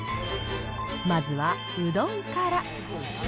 まずはうどんから。